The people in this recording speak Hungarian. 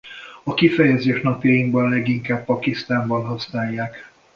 A kifejezést napjainkban leginkább Pakisztánban használják.